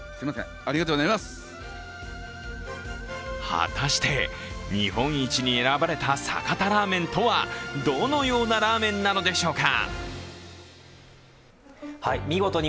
果たして日本一に選ばれた酒田ラーメンとはどのようなラーメンなのでしょうか。